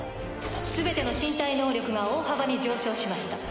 全ての身体能力が大幅に上昇しました。